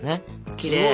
きれい。